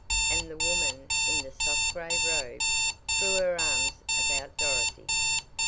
and the woman in the soft gray robe threw her arms about Dorothy.